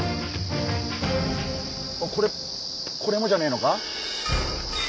これこれもじゃねえのか？